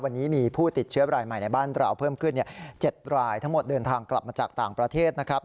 วันนี้มีผู้ติดเชื้อรายใหม่ในบ้านเราเพิ่มขึ้น๗รายทั้งหมดเดินทางกลับมาจากต่างประเทศนะครับ